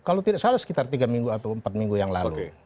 kalau tidak salah sekitar tiga minggu atau empat minggu yang lalu